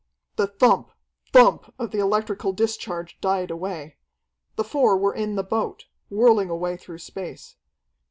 The thump, thump of the electrical discharge died away. The four were in the boat, whirling away through space.